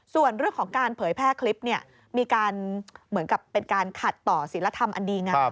ส่วนเรื่องของการเผยแพร่คลิปมีการเหมือนกับเป็นการขัดต่อศิลธรรมอันดีงาม